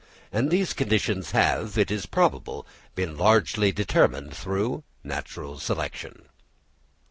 And these conditions have, it is probable, been largely determined through natural selection.